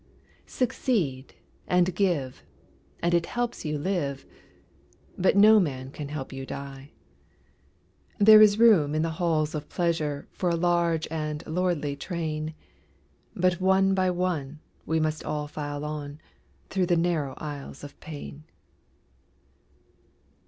Succeed and give, and it helps you live, But no man can help you die. There is room in the halls of pleasure For a large and lordly train, But one by one we must all file on Through the narrow aisles of pain.